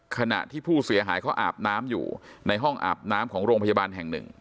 ขณะที่ผู้เสียหายเขาอาบน้ำอยู่ในห้องอาบน้ำของโรงพยาบาลแห่งหนึ่ง